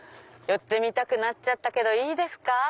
寄ってみたくなっちゃったけどいいですか？